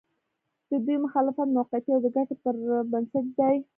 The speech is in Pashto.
د دوی مخالفت موقعتي او د ګټې پر بنسټ دی.